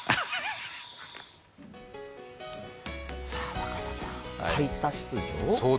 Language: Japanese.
若狭さん、最多出場。